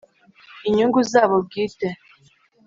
inyungu zabo bwite